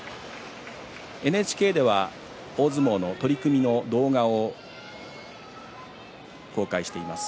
ＮＨＫでは大相撲の取組の動画を公開しています。